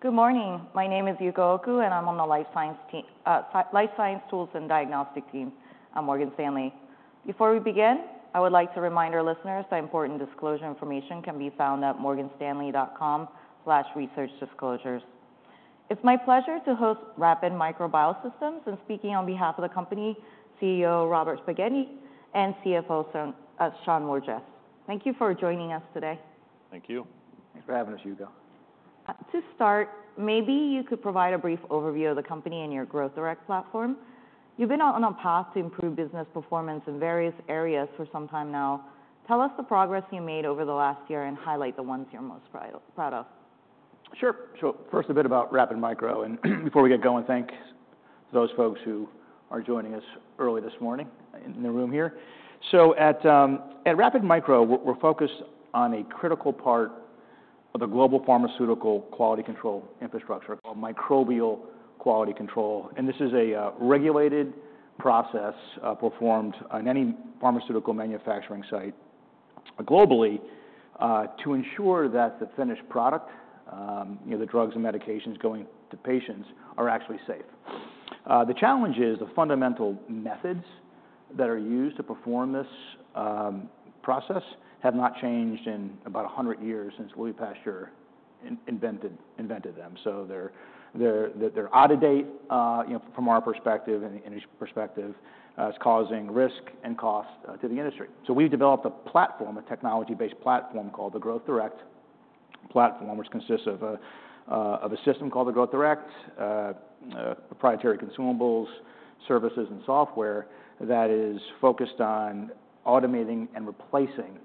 Good morning. My name is Yuko Oku, and I'm on the life science team, life science tools and diagnostic team at Morgan Stanley. Before we begin, I would like to remind our listeners that important disclosure information can be found at morganstanley.com/researchdisclosures. It's my pleasure to host Rapid Micro Biosystems, and speaking on behalf of the company, CEO, Robert Spignesi, and CFO, Sean Wosranko. Thank you for joining us today. Thank you. Thanks for having us, Yuko. To start, maybe you could provide a brief overview of the company and your Growth Direct platform. You've been on a path to improve business performance in various areas for some time now. Tell us the progress you made over the last year and highlight the ones you're most proud of. Sure, sure. First, a bit about Rapid Micro, and before we get going, thank those folks who are joining us early this morning, in the room here. So at Rapid Micro, we're focused on a critical part of the global pharmaceutical quality control infrastructure, called microbial quality control, and this is a regulated process performed on any pharmaceutical manufacturing site globally to ensure that the finished product, you know, the drugs and medications going to patients, are actually safe. The challenge is, the fundamental methods that are used to perform this process have not changed in about a hundred years since Louis Pasteur invented them. So they're out of date, you know, from our perspective, and the industry perspective, it's causing risk and cost to the industry. So we've developed a platform, a technology-based platform, called the Growth Direct platform, which consists of a, of a system called the Growth Direct, proprietary consumables, services, and software, that is focused on automating and replacing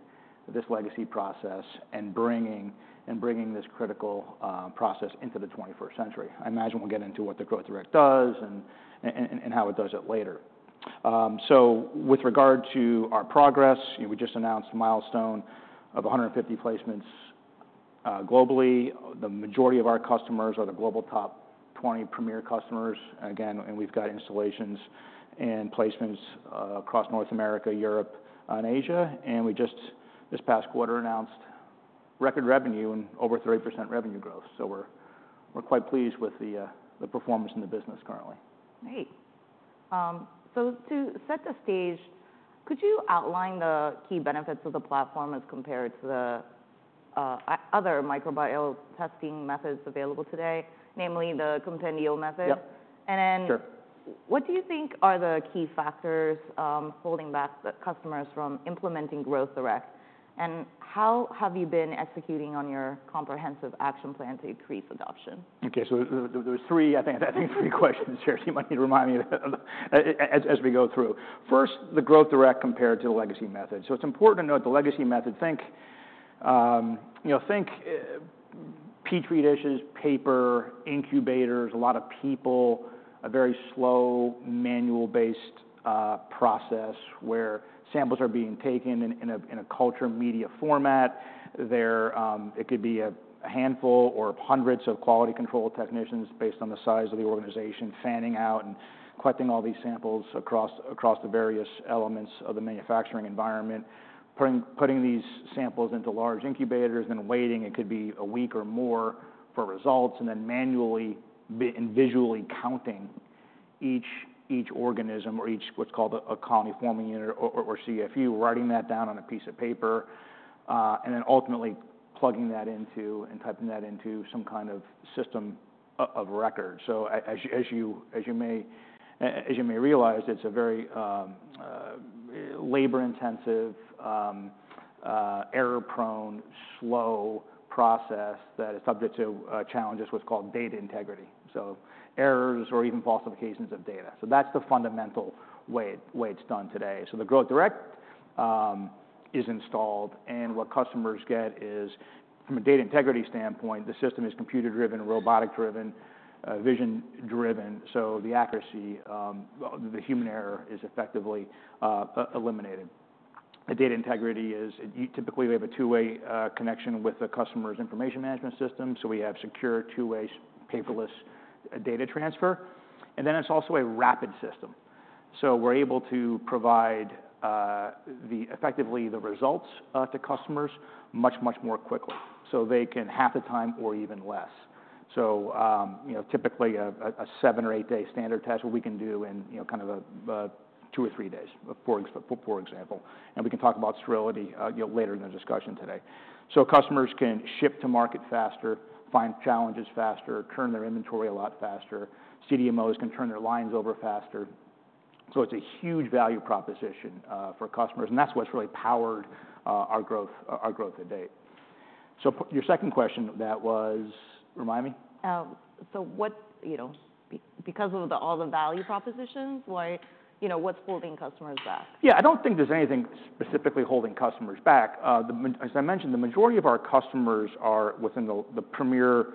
this legacy process, and bringing this critical process into the twenty-first century. I imagine we'll get into what the Growth Direct does, and how it does it later. So with regard to our progress, we just announced a milestone of 150 placements, globally. The majority of our customers are the global top 20 premier customers, again, and we've got installations and placements, across North America, Europe, and Asia, and we just, this past quarter, announced record revenue and over 30% revenue growth. So we're quite pleased with the performance in the business currently. Great. So to set the stage, could you outline the key benefits of the platform as compared to the other microbial testing methods available today, namely the compendial method? Yep. And then- Sure. What do you think are the key factors, holding back the customers from implementing Growth Direct, and how have you been executing on your comprehensive action plan to increase adoption? Okay, there's three, I think, that's three questions here. So you might need to remind me of them as we go through. First, the Growth Direct compared to the legacy method. So it's important to note the legacy method. Think, you know, think Petri dishes, paper, incubators, a lot of people, a very slow, manual-based process, where samples are being taken in a culture media format. There, it could be a handful or hundreds of quality control technicians, based on the size of the organization, fanning out and collecting all these samples across the various elements of the manufacturing environment. Putting these samples into large incubators and then waiting, it could be a week or more, for results, and then manually and visually counting each organism, or each what's called a colony-forming unit or CFU, writing that down on a piece of paper, and then ultimately plugging that into and typing that into some kind of system of record. So as you may realize, it's a very labor-intensive, error-prone, slow process that is subject to challenges, what's called data integrity, so errors or even falsifications of data. So that's the fundamental way it's done today. So the Growth Direct is installed, and what customers get is, from a data integrity standpoint, the system is computer-driven, robotic-driven, vision-driven, so the accuracy, well, the human error is effectively eliminated. The data integrity is typically we have a two-way connection with the customer's information management system, so we have secure, two-way, paperless data transfer. And then it's also a rapid system, so we're able to provide effectively the results to customers much, much more quickly, so they can half the time or even less. So you know, typically a seven or eight-day standard test, what we can do in you know, kind of a two or three days, for example, and we can talk about sterility you know, later in the discussion today. So customers can ship to market faster, find challenges faster, turn their inventory a lot faster. CDMOs can turn their lines over faster. So it's a huge value proposition for customers, and that's what's really powered our growth, our growth to date. So your second question, that was... Remind me? So what, you know, because of all the value propositions, why, you know, what's holding customers back? Yeah, I don't think there's anything specifically holding customers back. As I mentioned, the majority of our customers are within the premier.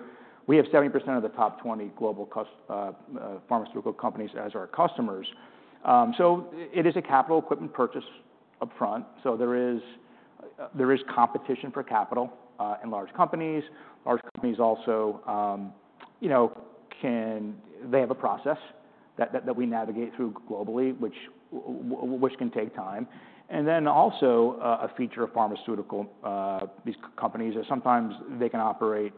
We have 70% of the top 20 global pharmaceutical companies as our customers. So it is a capital equipment purchase upfront, so there is there is competition for capital in large companies. Large companies also, you know, can. They have a process that we navigate through globally, which which can take time. And then also, a feature of pharmaceutical these companies is sometimes they can operate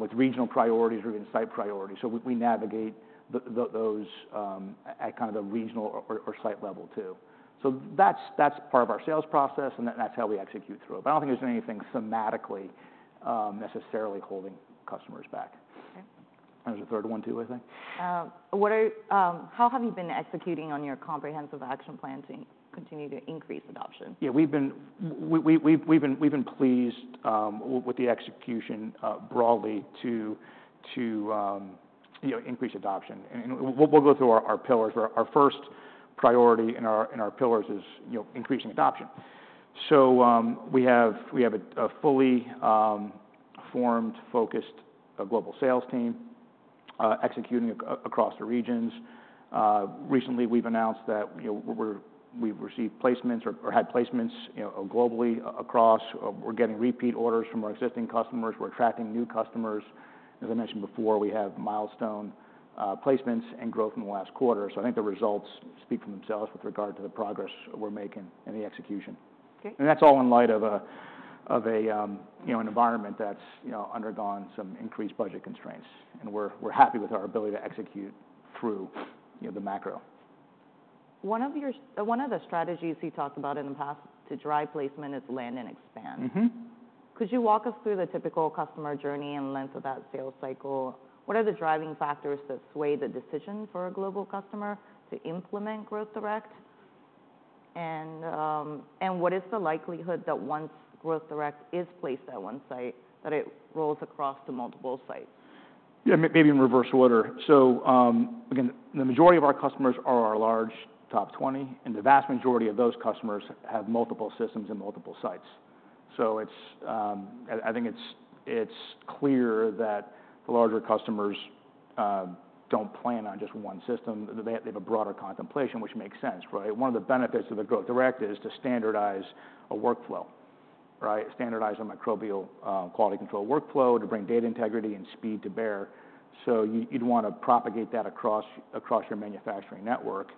with regional priorities or even site priorities. So we navigate those at kind of the regional or site level, too. So that's part of our sales process, and that's how we execute through it. But I don't think there's anything thematically, necessarily holding customers back. Okay. There was a third one, too, I think? How have you been executing on your comprehensive action plan to continue to increase adoption? Yeah, we've been pleased with the execution broadly to you know increase adoption, and we'll go through our pillars. Our first priority in our pillars is you know increasing adoption. So we have a fully formed focused global sales team executing across the regions. Recently, we've announced that you know we've received placements or had placements you know globally across. We're getting repeat orders from our existing customers. We're attracting new customers. As I mentioned before, we have milestone placements and growth in the last quarter. So I think the results speak for themselves with regard to the progress we're making and the execution. Okay. And that's all in light of a, of, you know, an environment that's, you know, undergone some increased budget constraints, and we're happy with our ability to execute through, you know, the macro. One of the strategies you talked about in the past to drive placement is land and expand. Mm-hmm. Could you walk us through the typical customer journey and length of that sales cycle? What are the driving factors that sway the decision for a global customer to implement Growth Direct? And, and what is the likelihood that once Growth Direct is placed at one site, that it rolls across to multiple sites? Yeah, maybe in reverse order. So, again, the majority of our customers are our large top 20, and the vast majority of those customers have multiple systems in multiple sites. So it's, I think it's clear that the larger customers don't plan on just one system. They have a broader contemplation, which makes sense, right? One of the benefits of the Growth Direct is to standardize a workflow, right? Standardize a microbial quality control workflow to bring data integrity and speed to bear. So you'd want to propagate that across your manufacturing network.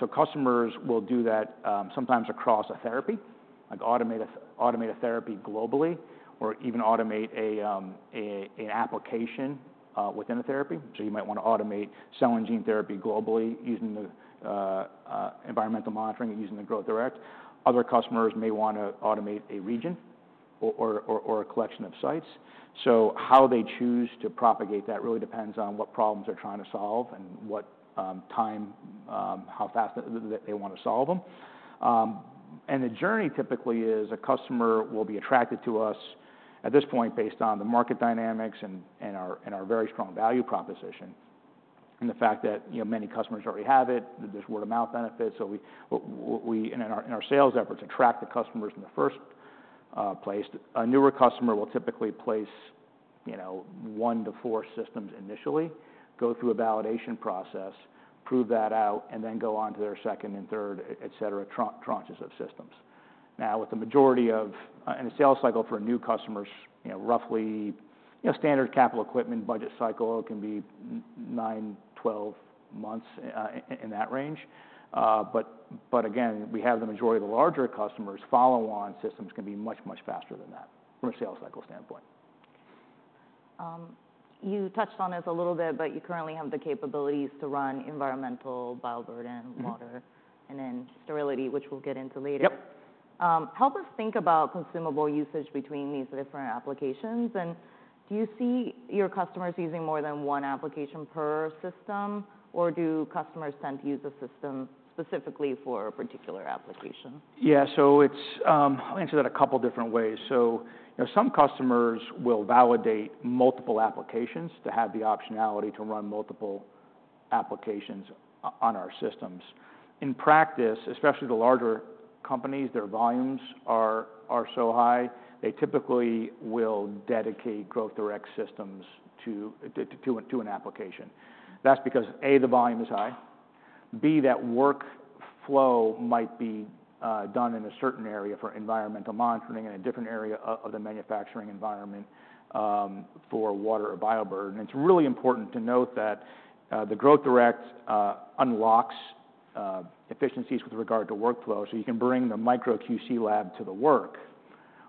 So customers will do that, sometimes across a therapy, like automate a therapy globally, or even automate an application within a therapy. So you might want to automate cell and gene therapy globally using the environmental monitoring and using the Growth Direct. Other customers may want to automate a region or a collection of sites. So how they choose to propagate that really depends on what problems they're trying to solve and what time how fast they want to solve them. And the journey typically is, a customer will be attracted to us at this point, based on the market dynamics and our very strong value proposition, and the fact that, you know, many customers already have it. There's word-of-mouth benefits, so we in our sales efforts, attract the customers in the first place. A newer customer will typically place, you know, one to four systems initially, go through a validation process, prove that out, and then go on to their second and third, et cetera, tranches of systems. Now, with the majority of... the sales cycle for a new customer is, you know, roughly, you know, standard capital equipment budget cycle. It can be nine, twelve months in that range. But again, we have the majority of the larger customers. Follow-on systems can be much, much faster than that from a sales cycle standpoint. You touched on this a little bit, but you currently have the capabilities to run environmental bioburden- Mm-hmm... water, and then sterility, which we'll get into later. Yep. Help us think about consumable usage between these different applications, and do you see your customers using more than one application per system? Or do customers tend to use a system specifically for a particular application? Yeah, so it's. I'll answer that a couple different ways. So, you know, some customers will validate multiple applications to have the optionality to run multiple applications on our systems. In practice, especially the larger companies, their volumes are so high, they typically will dedicate Growth Direct systems to an application. That's because, A, the volume is high, B, that workflow might be done in a certain area for environmental monitoring and a different area of the manufacturing environment, for water or bioburden. And it's really important to note that, the Growth Direct unlocks efficiencies with regard to workflow, so you can bring the micro QC lab to the work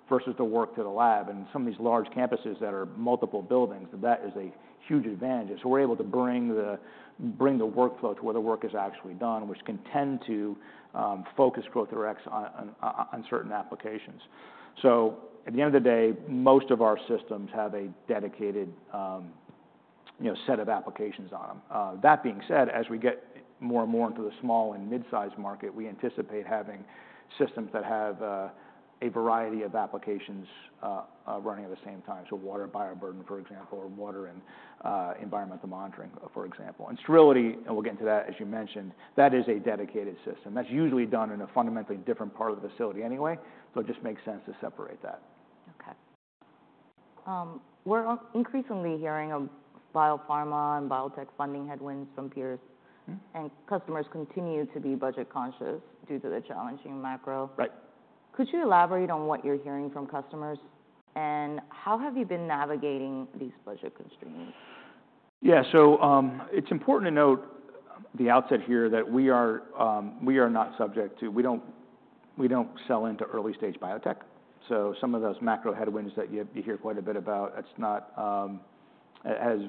versus the work to the lab. And some of these large campuses that are multiple buildings, that is a huge advantage. So we're able to bring the workflow to where the work is actually done, which can tend to focus Growth Direct on certain applications. So at the end of the day, most of our systems have a dedicated, you know, set of applications on them. That being said, as we get more and more into the small and mid-sized market, we anticipate having systems that have a variety of applications running at the same time, so water and bioburden, for example, or water and environmental monitoring, for example. And sterility, and we'll get into that, as you mentioned, that is a dedicated system. That's usually done in a fundamentally different part of the facility anyway, so it just makes sense to separate that. Okay. We're increasingly hearing of biopharma and biotech funding headwinds from peers. Mm-hmm. and customers continue to be budget conscious due to the challenging macro. Right. ... Could you elaborate on what you're hearing from customers, and how have you been navigating these budget constraints? Yeah, so, it's important to note at the outset here that we are not subject to. We don't sell into early-stage biotech. So some of those macro headwinds that you hear quite a bit about, it's not. It has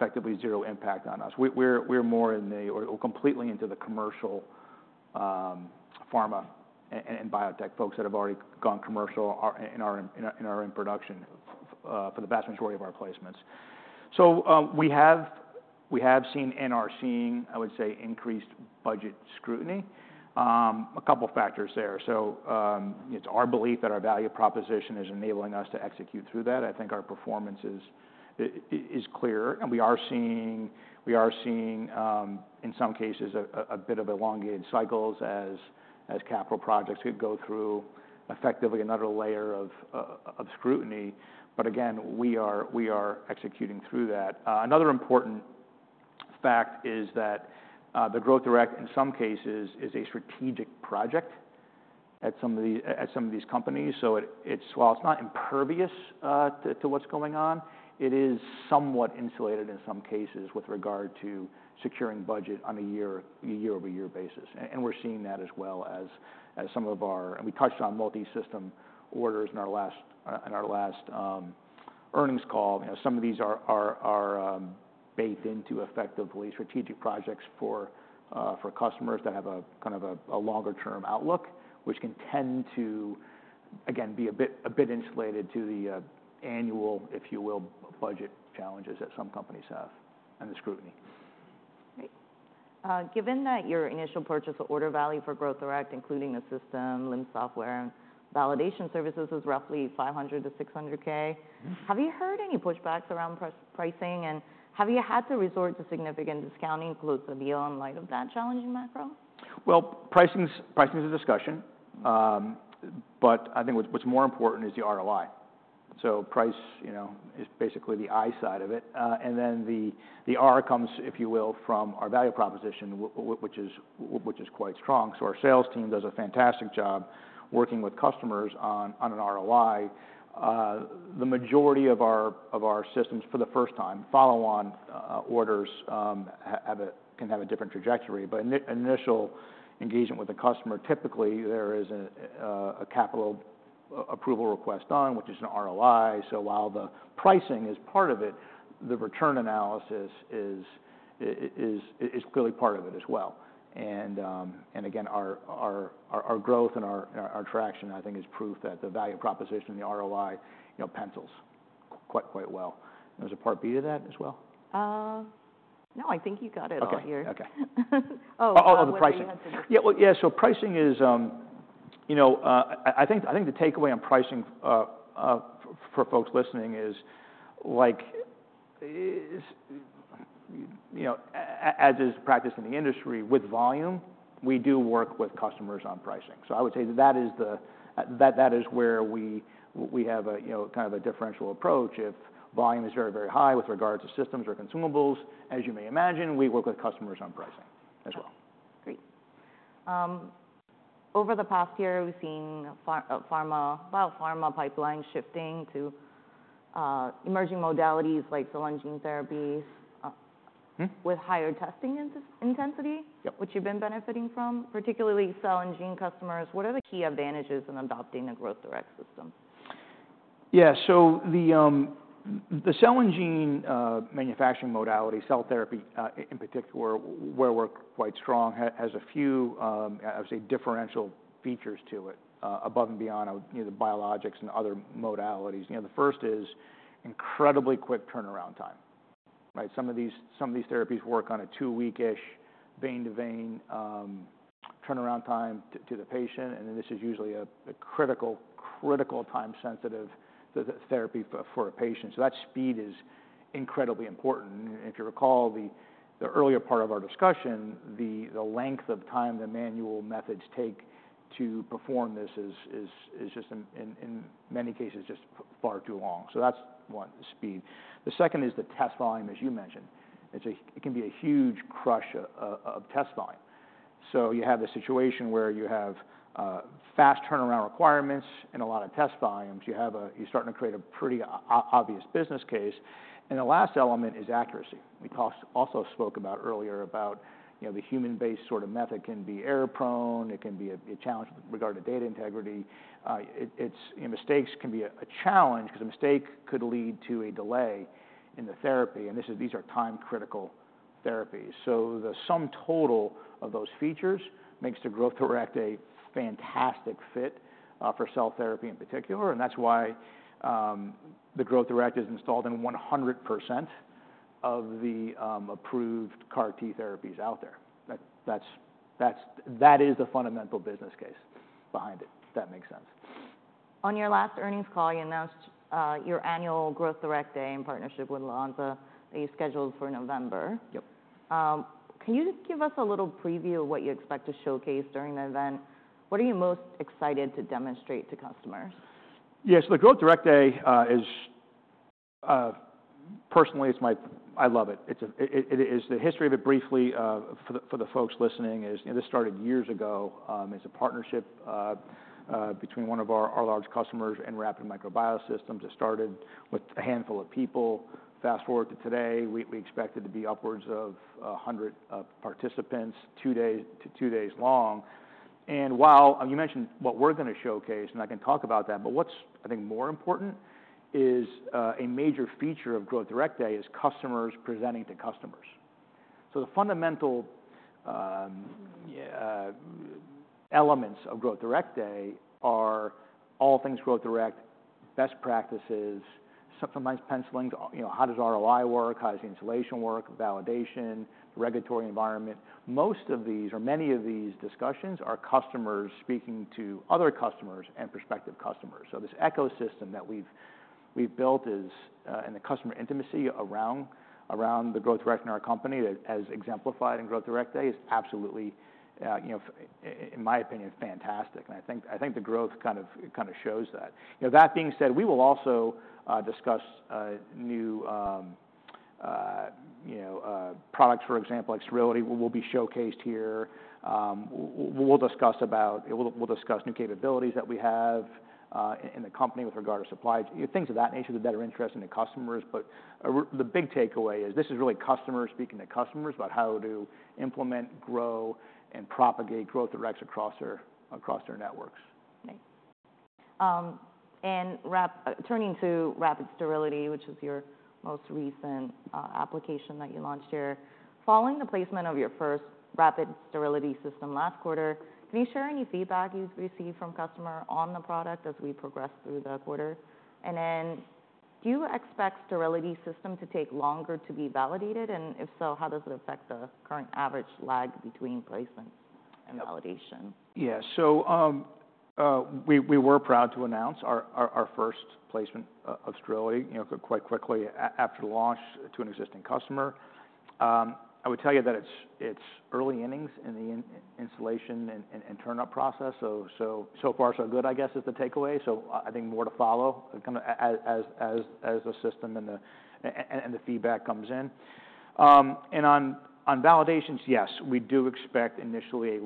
effectively zero impact on us. We're more in the or completely into the commercial pharma and biotech folks that have already gone commercial and are in production for the vast majority of our placements. So, we have seen and are seeing, I would say, increased budget scrutiny. A couple factors there. So, it's our belief that our value proposition is enabling us to execute through that. I think our performance is clear, and we are seeing in some cases a bit of elongated cycles as capital projects could go through effectively another layer of scrutiny. But again, we are executing through that. Another important fact is that the Growth Direct, in some cases, is a strategic project at some of these companies. So it, it's... While it's not impervious to what's going on, it is somewhat insulated in some cases with regard to securing budget on a year-over-year basis. And we're seeing that as well as some of our- And we touched on multisystem orders in our last earnings call. You know, some of these are baked into effectively strategic projects for customers that have a kind of a longer-term outlook, which can tend to, again, be a bit insulated to the annual, if you will, budget challenges that some companies have and the scrutiny. Great. Given that your initial purchase order value for Growth Direct, including the system, LIMS software, and validation services, was roughly $500,000-$600,000- Mm-hmm. Have you heard any pushbacks around pricing, and have you had to resort to significant discounting to close the deal in light of that challenging macro? Pricing is a discussion, but I think what's more important is the ROI. So price, you know, is basically the I side of it, and then the R comes, if you will, from our value proposition, which is quite strong. So our sales team does a fantastic job working with customers on an ROI. The majority of our systems for the first time, follow-on orders can have a different trajectory, but initial engagement with the customer, typically, there is a capital approval request, which is an ROI. So while the pricing is part of it, the return analysis is clearly part of it as well. And again, our growth and our traction, I think, is proof that the value proposition and the ROI, you know, pencils quite well. There was a part B to that as well? No, I think you got it right here. Okay. Okay. Oh, the pricing. Oh, the pricing. Yeah. Well, yeah, so pricing is. You know, I think the takeaway on pricing for folks listening is like, you know, as is practice in the industry, with volume, we do work with customers on pricing. So I would say that is where we have a, you know, kind of a differential approach. If volume is very, very high with regards to systems or consumables, as you may imagine, we work with customers on pricing as well. Great. Over the past year, we've seen, well, pharma pipeline shifting to emerging modalities like cell and gene therapy. Hmm? with higher testing intensity. Yep. Which you've been benefiting from, particularly cell and gene customers. What are the key advantages in adopting a Growth Direct system? Yeah, so the cell and gene manufacturing modality, cell therapy in particular, where we're quite strong, has a few, I would say, differential features to it, above and beyond, you know, the biologics and other modalities. You know, the first is incredibly quick turnaround time, right? Some of these therapies work on a two-week-ish vein-to-vein turnaround time to the patient, and then this is usually a critical time-sensitive therapy for a patient, so that speed is incredibly important. If you recall the earlier part of our discussion, the length of time the manual methods take to perform this is just, in many cases, just far too long, so that's one, the speed. The second is the test volume, as you mentioned. It's a huge crush of test volume, so you have a situation where you have fast turnaround requirements and a lot of test volumes. You're starting to create a pretty obvious business case, and the last element is accuracy. We also spoke earlier about, you know, the human-based sort of method can be error-prone, it can be a challenge with regard to data integrity. And mistakes can be a challenge because a mistake could lead to a delay in the therapy, and this is. These are time-critical therapies, so the sum total of those features makes the Growth Direct a fantastic fit for cell therapy in particular, and that's why the Growth Direct is installed in 100% of the approved CAR T therapies out there. That is the fundamental business case behind it, if that makes sense. On your last earnings call, you announced your annual Growth Direct Day in partnership with Lonza. Are you scheduled for November? Yep. Can you just give us a little preview of what you expect to showcase during the event? What are you most excited to demonstrate to customers? Yeah, so the Growth Direct Day, personally, I love it. It's the history of it briefly, for the folks listening, you know, this started years ago as a partnership between one of our large customers and Rapid Micro Biosystems. It started with a handful of people. Fast-forward to today, we expect it to be upwards of a hundred participants, two days long, and while you mentioned what we're gonna showcase, and I can talk about that, but what's, I think, more important is a major feature of Growth Direct Day is customers presenting to customers, so the fundamental elements of Growth Direct Day are all things Growth Direct, best practices, sometimes penciling, you know, how does ROI work? How does the installation work, validation, regulatory environment? Most of these or many of these discussions are customers speaking to other customers and prospective customers. So this ecosystem that we've built is, and the customer intimacy around the Growth Direct in our company that as exemplified in Growth Direct Day, is absolutely, you know, in my opinion, fantastic. And I think the growth kind of shows that. You know, that being said, we will also discuss new, you know, products, for example, like sterility will be showcased here. We'll discuss new capabilities that we have in the company with regard to supplies. Things of that nature that better interest in the customers. The big takeaway is this is really customers speaking to customers about how to implement, grow, and propagate Growth Directs across their networks. Great. And turning to Rapid Sterility, which is your most recent application that you launched here. Following the placement of your first Rapid Sterility system last quarter, can you share any feedback you've received from customer on the product as we progress through the quarter? And then, do you expect Sterility system to take longer to be validated? And if so, how does it affect the current average lag between placements and validation? Yeah. So, we were proud to announce our first placement of Sterility, you know, quite quickly after the launch to an existing customer. I would tell you that it's early innings in the installation and turn-up process, so far, so good, I guess, is the takeaway. So I think more to follow, kind of, as the system and the feedback comes in. And on validations, yes, we do expect initially a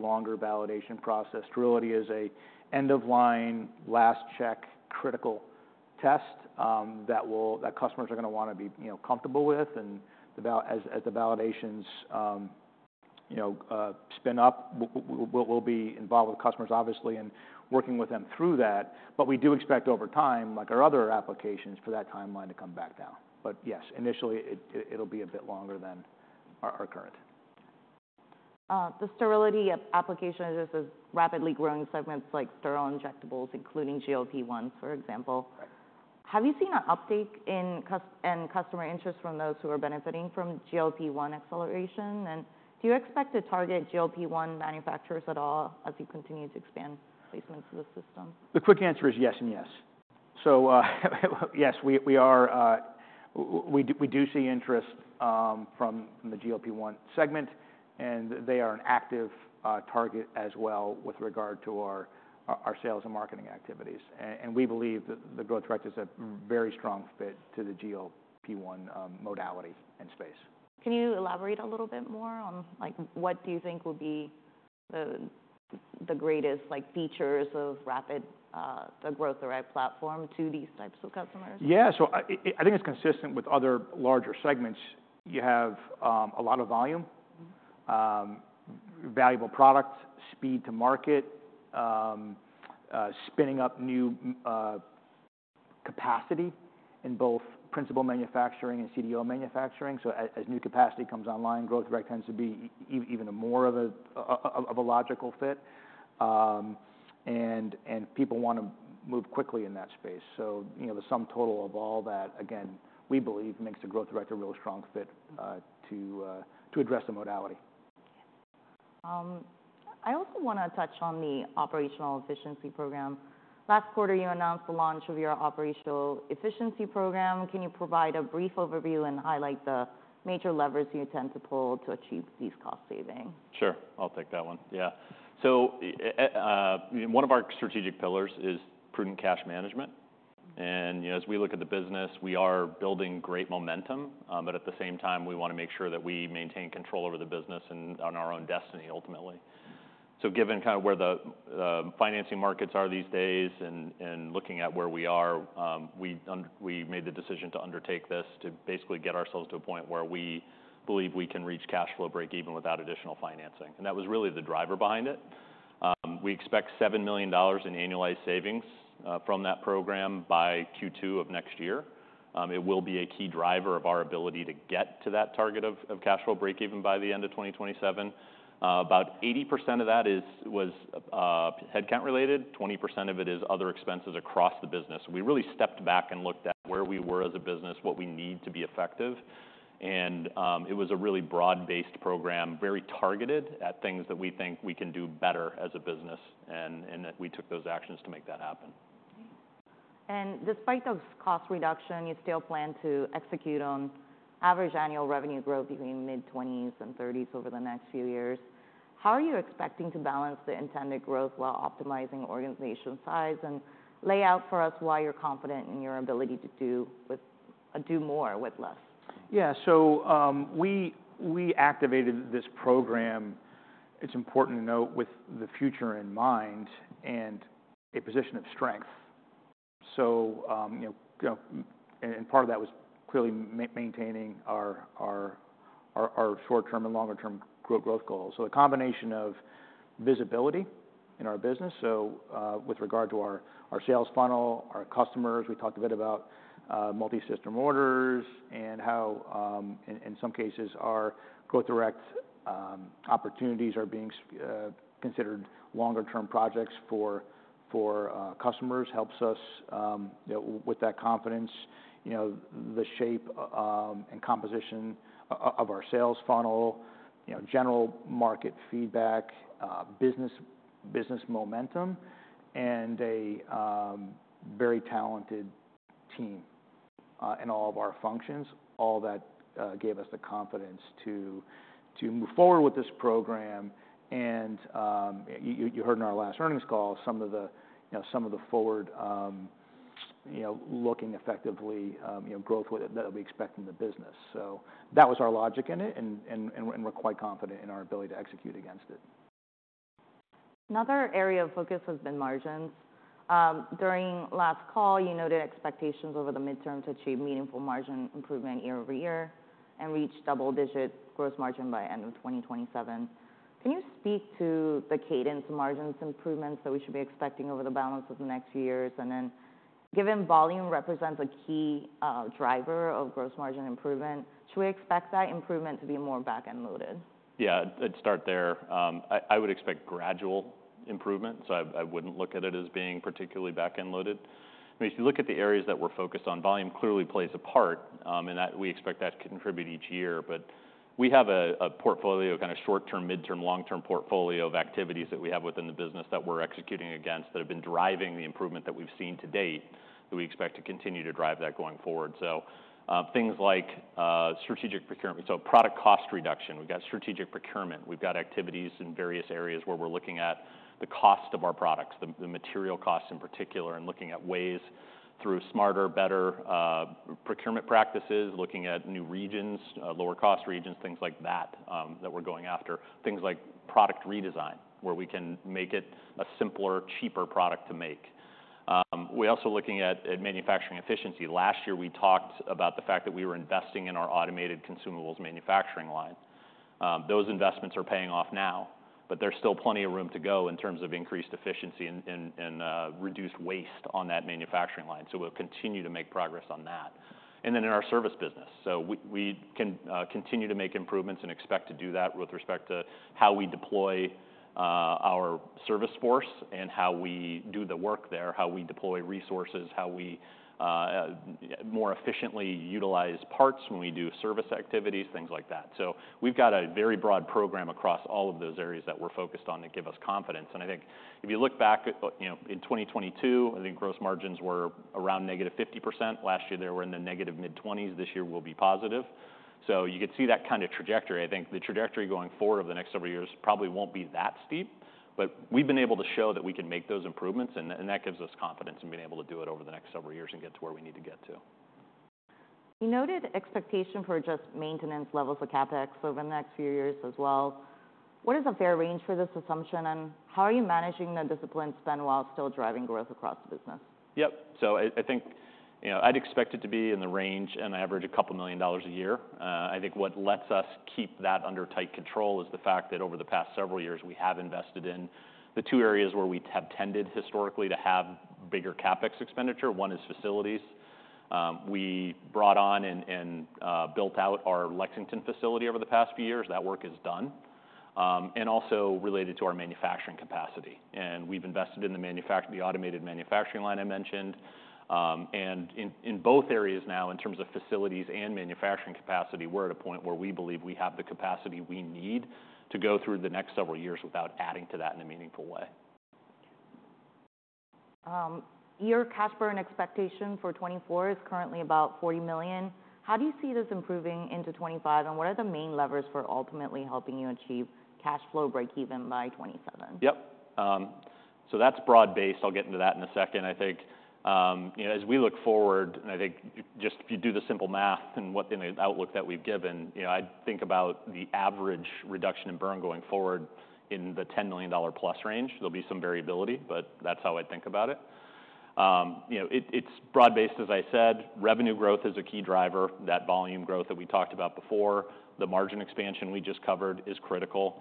longer validation process. Sterility is an end-of-line, last-check, critical test that customers are gonna wanna be, you know, comfortable with. As the validations, you know, spin up, we'll be involved with customers, obviously, and working with them through that. But we do expect over time, like our other applications, for that timeline to come back down. But yes, initially, it'll be a bit longer than our current. The sterility application is just a rapidly growing segment like sterile injectables, including GLP-1, for example. Right. Have you seen an uptake in customer interest from those who are benefiting from GLP-1 acceleration? And do you expect to target GLP-1 manufacturers at all as you continue to expand placements to the system? The quick answer is yes and yes. So, yes, we do see interest from the GLP-1 segment, and they are an active target as well with regard to our sales and marketing activities. And we believe that the Growth Direct is a very strong fit to the GLP-1 modality and space. Can you elaborate a little bit more on, like, what do you think would be the greatest, like, features of Rapid, the Growth Direct platform to these types of customers? Yeah. So I think it's consistent with other larger segments. You have a lot of volume- Mm-hmm. Valuable product, speed to market, spinning up new capacity in both biologic manufacturing and CDMO manufacturing. So as new capacity comes online, Growth Direct tends to be even more of a logical fit. And people wanna move quickly in that space. So, you know, the sum total of all that, again, we believe makes the Growth Direct a really strong fit to address the modality. I also wanna touch on the operational efficiency program. Last quarter, you announced the launch of your operational efficiency program. Can you provide a brief overview and highlight the major levers you intend to pull to achieve these cost savings? Sure. I'll take that one. Yeah. So, one of our strategic pillars is prudent cash management. And, you know, as we look at the business, we are building great momentum, but at the same time, we wanna make sure that we maintain control over the business and on our own destiny, ultimately. So given kind of where the financing markets are these days and looking at where we are, we made the decision to undertake this to basically get ourselves to a point where we believe we can reach cash flow break-even without additional financing, and that was really the driver behind it. We expect $7 million in annualized savings from that program by Q2 of next year. It will be a key driver of our ability to get to that target of cash flow break even by the end of twenty twenty-seven. About 80% of that is headcount related, 20% of it is other expenses across the business. We really stepped back and looked at where we were as a business, what we need to be effective, and it was a really broad-based program, very targeted at things that we think we can do better as a business, and that we took those actions to make that happen. Despite those cost reduction, you still plan to execute on average annual revenue growth between mid-twenties and thirties over the next few years. How are you expecting to balance the intended growth while optimizing organization size? Lay out for us why you're confident in your ability to do more with less. Yeah, so we activated this program. It's important to note, with the future in mind and a position of strength. You know, and part of that was clearly maintaining our short-term and longer term growth goals. A combination of visibility in our business, with regard to our sales funnel, our customers. We talked a bit about multisystem orders and how, in some cases, our Growth Direct opportunities are being considered longer term projects for customers, helps us, you know, with that confidence. You know, the shape and composition of our sales funnel, you know, general market feedback, business momentum, and a very talented team in all of our functions. All that gave us the confidence to move forward with this program. You heard in our last earnings call some of the forward-looking growth that we expect in the business. So that was our logic in it, and we're quite confident in our ability to execute against it. Another area of focus has been margins. During last call, you noted expectations over the midterm to achieve meaningful margin improvement year over year and reach double digit gross margin by end of 2027. Can you speak to the cadence of margin improvements that we should be expecting over the balance of the next few years? And then, given volume represents a key driver of gross margin improvement, should we expect that improvement to be more back-end loaded? Yeah, I'd start there. I would expect gradual improvements. I wouldn't look at it as being particularly back-end loaded. I mean, if you look at the areas that we're focused on, volume clearly plays a part, and we expect that to contribute each year. But we have a portfolio, kind of, short-term, midterm, long-term portfolio of activities that we have within the business that we're executing against, that have been driving the improvement that we've seen to date, that we expect to continue to drive that going forward. So, things like, strategic procurement. So product cost reduction, we've got strategic procurement. We've got activities in various areas where we're looking at the cost of our products, the material costs in particular, and looking at ways through smarter, better procurement practices, looking at new regions, lower cost regions, things like that, that we're going after. Things like product redesign, where we can make it a simpler, cheaper product to make. We're also looking at manufacturing efficiency. Last year, we talked about the fact that we were investing in our automated consumables manufacturing line. Those investments are paying off now, but there's still plenty of room to go in terms of increased efficiency and reduced waste on that manufacturing line, so we'll continue to make progress on that. And then in our service business, so we can continue to make improvements and expect to do that with respect to how we deploy our service force and how we do the work there, how we deploy resources, how we more efficiently utilize parts when we do service activities, things like that. So we've got a very broad program across all of those areas that we're focused on, that give us confidence. And I think if you look back at, you know, in 2022, I think gross margins were around negative 50%. Last year, they were in the negative mid-20s. This year will be positive. So you could see that kind of trajectory. I think the trajectory going forward over the next several years probably won't be that steep, but we've been able to show that we can make those improvements, and that gives us confidence in being able to do it over the next several years and get to where we need to get to. You noted expectation for just maintenance levels of CapEx over the next few years as well. What is a fair range for this assumption, and how are you managing the disciplined spend while still driving growth across the business? Yep. So I think, you know, I'd expect it to be in the range and average $2 million a year. I think what lets us keep that under tight control is the fact that over the past several years, we have invested in the two areas where we have tended historically to have bigger CapEx expenditure. One is facilities. We brought on and built out our Lexington facility over the past few years. That work is done. And also related to our manufacturing capacity, and we've invested in the automated manufacturing line I mentioned. And in both areas now, in terms of facilities and manufacturing capacity, we're at a point where we believe we have the capacity we need to go through the next several years without adding to that in a meaningful way. Your cash burn expectation for 2024 is currently about $40 million. How do you see this improving into 2025, and what are the main levers for ultimately helping you achieve cash flow breakeven by 2027? Yep. So that's broad-based. I'll get into that in a second. I think, you know, as we look forward, and I think just if you do the simple math and what the outlook that we've given, you know, I'd think about the average reduction in burn going forward in the $10 million plus range. There'll be some variability, but that's how I'd think about it. You know, it's broad-based, as I said. Revenue growth is a key driver. That volume growth that we talked about before, the margin expansion we just covered is critical.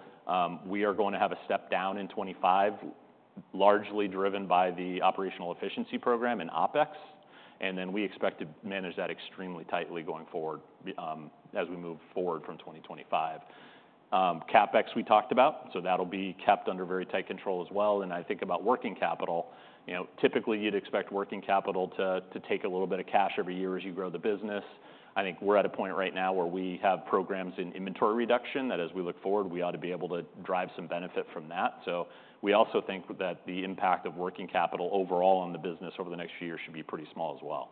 We are going to have a step down in 2025, largely driven by the operational efficiency program in OpEx, and then we expect to manage that extremely tightly going forward, as we move forward from 2025. CapEx, we talked about, so that'll be kept under very tight control as well. And I think about working capital, you know, typically, you'd expect working capital to take a little bit of cash every year as you grow the business. I think we're at a point right now where we have programs in inventory reduction, that as we look forward, we ought to be able to drive some benefit from that. So we also think that the impact of working capital overall on the business over the next few years should be pretty small as well.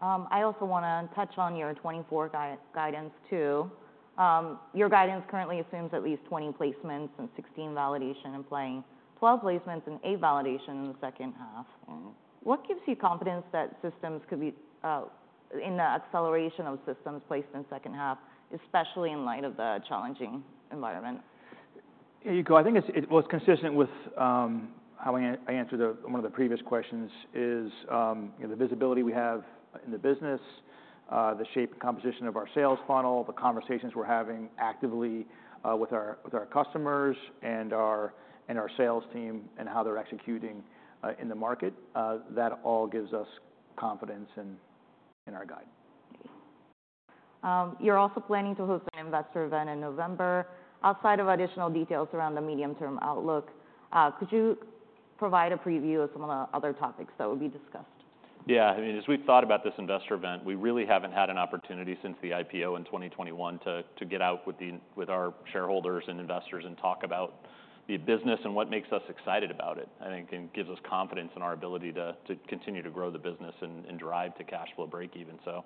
I also wanna touch on your twenty-four guidance, too. Your guidance currently assumes at least twenty placements and sixteen validation, and planning twelve placements and eight validation in the second half. Mm-hmm. What gives you confidence that systems could be in the acceleration of systems placed in second half, especially in light of the challenging environment? Yeah, Yuko, I think it's, well, it's consistent with how I answered one of the previous questions, is, you know, the visibility we have in the business, the shape and composition of our sales funnel, the conversations we're having actively with our customers and our sales team, and how they're executing in the market. That all gives us confidence in our guide. You're also planning to host an investor event in November. Outside of additional details around the medium-term outlook, could you provide a preview of some of the other topics that will be discussed? Yeah. I mean, as we've thought about this investor event, we really haven't had an opportunity since the IPO in 2021 to get out with our shareholders and investors and talk about the business and what makes us excited about it. I think, and gives us confidence in our ability to continue to grow the business and drive to cash flow breakeven. So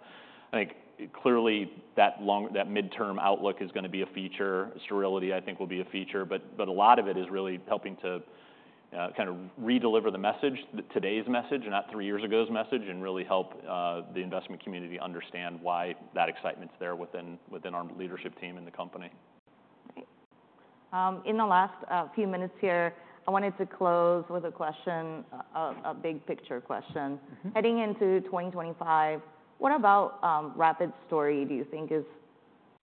I think clearly, that midterm outlook is gonna be a feature. Sterility, I think, will be a feature, but a lot of it is really helping to kind of redeliver the message, today's message, and not three years ago's message, and really help the investment community understand why that excitement's there within our leadership team and the company. Great. In the last few minutes here, I wanted to close with a question, a big-picture question. Mm-hmm. Heading into 2025, what about Rapid's story do you think is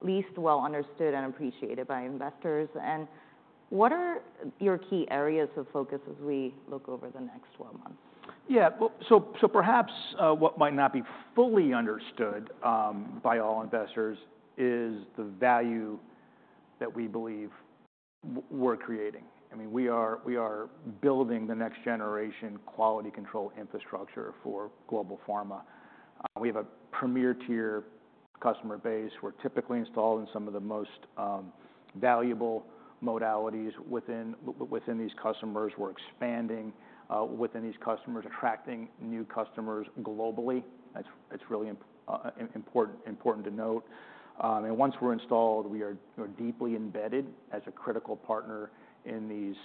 least well understood and appreciated by investors? And what are your key areas of focus as we look over the next 12 months? Yeah. Well, so perhaps what might not be fully understood by all investors is the value that we believe we're creating. I mean, we are building the next generation quality control infrastructure for global pharma. We have a premier-tier customer base. We're typically installed in some of the most valuable modalities within these customers. We're expanding within these customers, attracting new customers globally. That's really important to note, and once we're installed, we are, you know, deeply embedded as a critical partner in these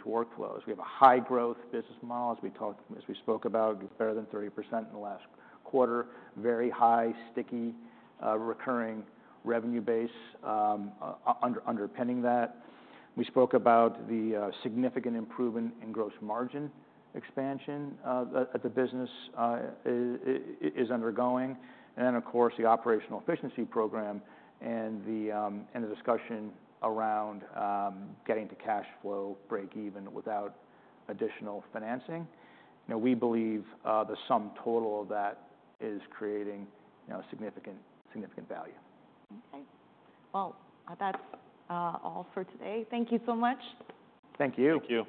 workflows. We have a high-growth business model, as we spoke about, better than 30% in the last quarter. Very high, sticky recurring revenue base underpinning that. We spoke about the significant improvement in gross margin expansion of the business is undergoing, and then, of course, the operational efficiency program and the discussion around getting to cash flow breakeven without additional financing. You know, we believe the sum total of that is creating, you know, significant, significant value. Okay. Well, that's all for today. Thank you so much. Thank you. Thank you!